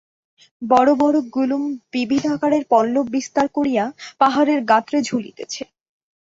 বড়ো বড়ো গুলম বিবিধ আকারের পল্লব বিস্তার করিয়া পাহাড়ের গাত্রে ঝুলিতেছে।